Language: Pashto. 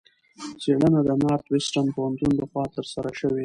څېړنه د نارت وېسټرن پوهنتون لخوا ترسره شوې.